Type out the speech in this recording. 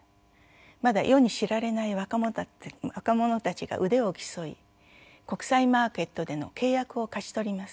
まだ世に知られない若者たちが腕を競い国際マーケットでの契約を勝ち取ります。